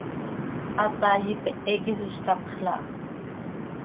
Hataai ipehe quih isizcapxla aha.